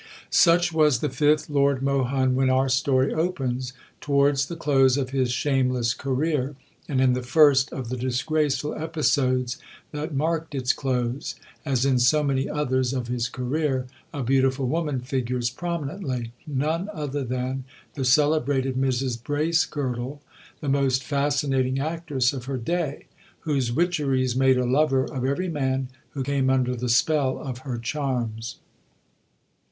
Such was the fifth Lord Mohun when our story opens, towards the close of his shameless career; and in the first of the disgraceful episodes that marked its close, as in so many others of his career, a beautiful woman figures prominently none other than the celebrated Mrs Bracegirdle, the most fascinating actress of her day, whose witcheries made a lover of every man who came under the spell of her charms.